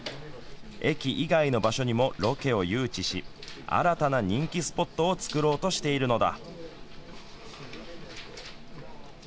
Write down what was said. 駅以外の場所にもロケを誘致し新たな人気スポットを作ろうとしているのだ。